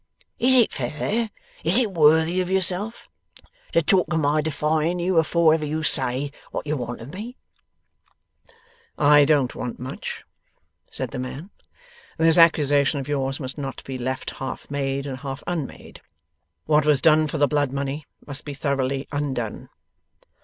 Is it fair, is it worthy of yourself, to talk of my defying you afore ever you say what you want of me?' 'I don't want much,' said the man. 'This accusation of yours must not be left half made and half unmade. What was done for the blood money must be thoroughly undone.